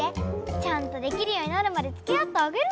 ちゃんとできるようになるまでつきあってあげるから。